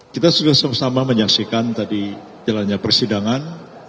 kita sudah sama sama menyaksikan tadi jalannya persidangan